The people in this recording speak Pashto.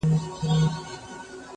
زه مخکي کتابتون ته راتلی و!